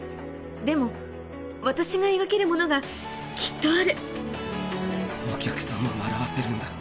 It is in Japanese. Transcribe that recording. でも、私が描けるものがきっとあお客さんを笑わせるんだ。